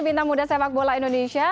bintang muda sepak bola indonesia